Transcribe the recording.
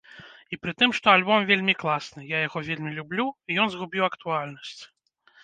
І пры тым, што альбом вельмі класны, я яго вельмі люблю, ён згубіў актуальнасць.